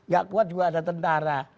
gak kuat juga ada tentara